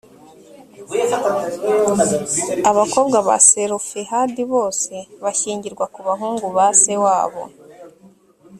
abakobwa ba selofehadi bose, bashyingirwa ku bahungu ba se wabo.